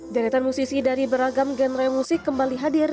deretan musisi dari beragam genre musik kembali hadir